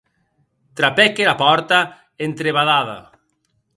Trapèc era pòrta entrebadada.